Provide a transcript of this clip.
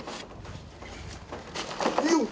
よっ！